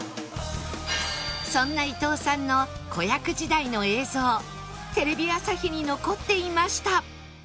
そんな伊藤さんの子役時代の映像テレビ朝日に残っていました